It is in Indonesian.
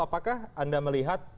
apakah anda melihat